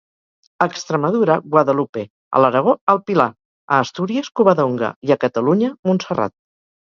A Extremadura, Guadalupe; a l'Aragó, el Pilar; a Astúries, Covadonga, i a Catalunya, Montserrat.